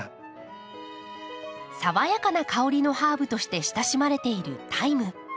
爽やかな香りのハーブとして親しまれているタイム。